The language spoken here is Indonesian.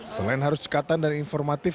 selain harus cekatan dan informatif